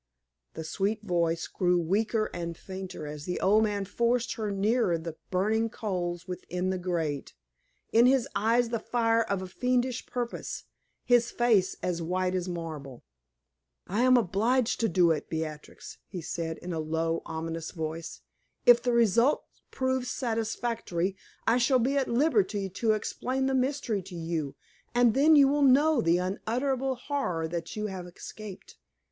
The sweet voice grew weaker and fainter as the old man forced her nearer the burning coals within the grate; in his eyes the fire of a fiendish purpose, his face as white as marble. "I am obliged to do it, Beatrix," he said in a low, ominous voice. "If the result proves satisfactory, I shall be at liberty to explain the mystery to you, and then you will know the unutterable horror that you have escaped.